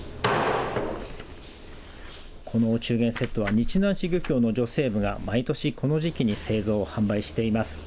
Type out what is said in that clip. このお中元セットは日南市漁協の女性部が毎年この時期に製造、販売しています。